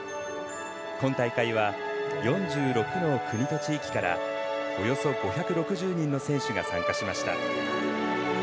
今大会は４６の国と地域からおよそ５６０人の選手が参加しました。